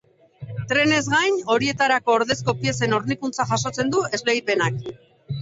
Trenez gain, horietarako ordezko piezen hornikuntza jasotzen du esleipenak.